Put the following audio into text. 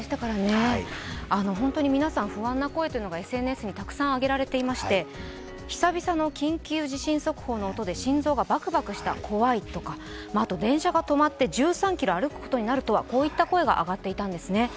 本当に皆さん不安な声がＳＮＳに上げられていまして久々の緊急地震速報の音で心臓がバクバクした、怖いとか電車が止まって１３ｋｍ歩くことになるとは、こういった声が上がっていたんですね。